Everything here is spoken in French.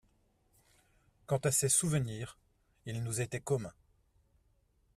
Quant à ses souvenirs, ils nous étaient communs.